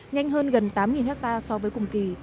nhanh hơn gần tám ha so với cùng kỳ